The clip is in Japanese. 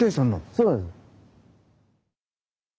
そうです。